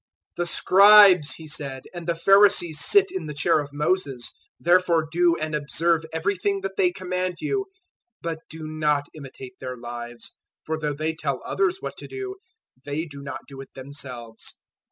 023:002 "The Scribes," He said, "and the Pharisees sit in the chair of Moses. 023:003 Therefore do and observe everything that they command you; but do not imitate their lives, for though they tell others what to do, they do not do it themselves.